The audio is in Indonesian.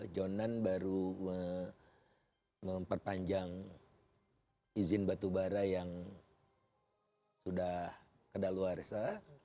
jonan baru memperpanjang izin batubara yang sudah kedaluarsa